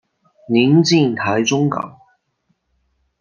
临近台中港。